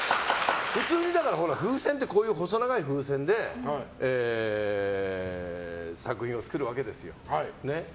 普通に風船って細長い風船で作品を作るわけですよ。